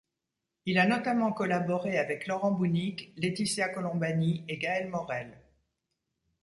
Il a notamment collaboré avec Laurent Bouhnik, Lætitia Colombani et Gaël Morel.